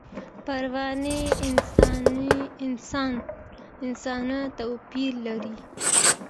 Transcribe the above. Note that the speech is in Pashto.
پروني انسانه توپیر لري.